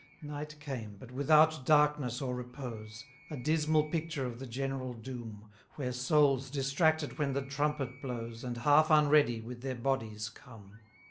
254 Night came, but without darkness or repose, A dismal picture of the general doom, Where souls, distracted when the trumpet blows, And half unready, with their bodies come.